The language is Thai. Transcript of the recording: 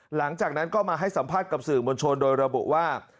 หลังจากนั้นก็มาให้สัมภาษณ์กับสื่อมวลชนโดยระบุว่า